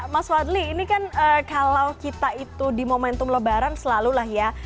mas fadli ini kan kalau kita itu di momentum lebaran selalu lah ya